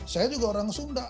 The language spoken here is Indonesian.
saya juga orang sunda